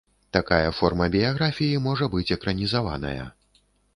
Такая форма біяграфіі можа быць экранізаваная.